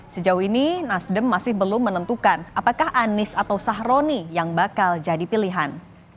sejauh ini nasdem masih belum menentukan apakah anies atau sahroni yang bakal jadi pilihan